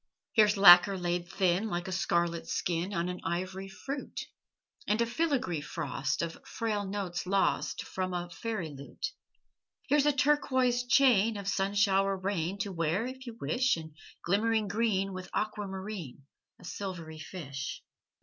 Here's lacquer laid thin, Like a scarlet skin On an ivory fruit; And a filigree frost Of frail notes lost From a fairy lute. Here's a turquoise chain Of sun shower rain To wear if you wish; And glimmering green With aquamarine, A silvery fish.